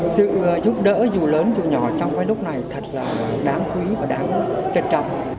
sự giúp đỡ dù lớn dù nhỏ trong cái lúc này thật là đáng quý và đáng trân trọng